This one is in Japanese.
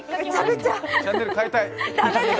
チャンネル変えたい。